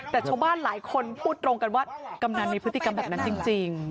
แต่ชาวบ้านหลายคนพูดตรงกันว่ากำนันมีพฤติกรรมแบบนั้นจริง